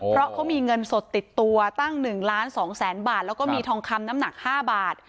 เพราะเขามีเงินสดติดตัวตั้ง๑ล้าน๒แสนบาทแล้วก็มีทองคำน้ำหนัก๕บาท